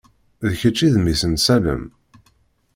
D kečč i d mmi-s n Salem?